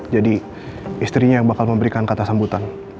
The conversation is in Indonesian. jadi istrinya yang bakal memberikan kata sambutan